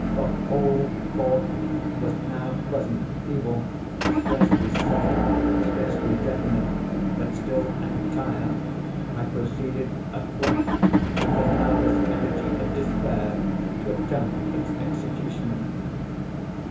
The whole thought was now present—feeble, scarcely sane, scarcely definite,—but still entire. I proceeded at once, with the nervous energy of despair, to attempt its execution.